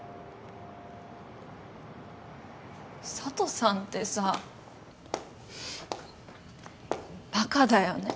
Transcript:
佐都さんってさバカだよね。